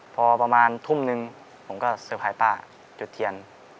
พอประมาณทุ่มนึงผมก็เซอร์ไพรส์ป้าจุดเทียน